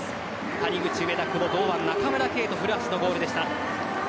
谷口、上田、久保、堂安中村敬斗、古橋のゴールでした。